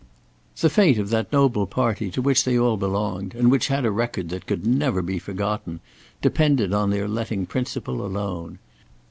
The fate of that noble party to which they all belonged, and which had a record that could never be forgotten, depended on their letting principle alone.